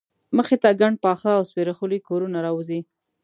مخې ته ګڼ پاخه او سپېره خولي کورونه راوځي.